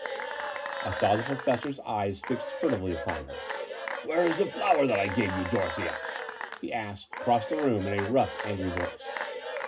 I saw the Professor's eyes fixed furtively upon her. "Where is the flower that I gave you, Doro thea?" he asked across the room, in a rough, angry voice.